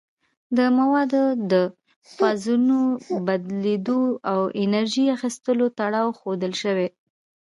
د موادو د فازونو بدلیدو او انرژي اخیستلو تړاو ښودل شوی.